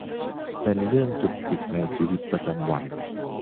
เป็นเรื่องจุกจิกในชีวิตประจำวัน